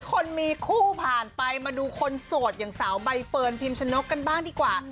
คนมีคู่ผ่านไปมาดูคนโสดอย่างสาวใบเฟิร์นพิมชนกกันบ้างดีกว่า